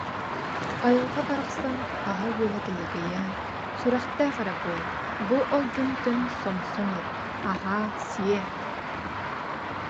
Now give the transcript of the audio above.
Айылҕа барахсан аһа-үөлэ дэлэгэйэ, сүрэхтээх эрэ буол, бу өлгөмтөн сомсон ыл, аһаа-сиэ